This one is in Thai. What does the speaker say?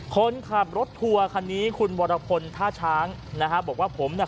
คนขับรถทัวร์คันนี้คุณวรพลท่าช้างนะฮะบอกว่าผมเนี่ย